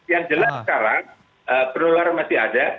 yang jelas sekarang penularan masih ada